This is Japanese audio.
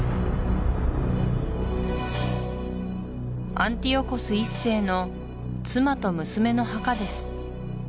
アンティオコス１世の妻と娘の墓です